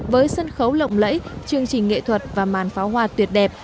với sân khấu lộng lẫy chương trình nghệ thuật và màn pháo hoa tuyệt đẹp